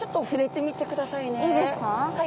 はい。